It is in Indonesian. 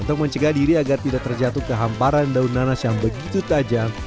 untuk mencegah diri agar tidak terjatuh ke hamparan daun nanas yang begitu tajam